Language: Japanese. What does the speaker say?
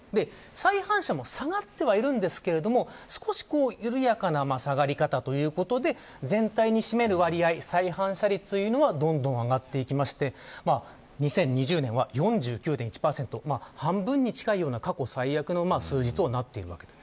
再犯者も下がってはいるんですが少し緩やかな下がり方ということで全体に占める割合、再犯者率はどんどん上がっていきまして２０２０年は４９．１％半分に近いような過去最悪の数字となっています。